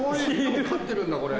犬飼ってるんだこれ。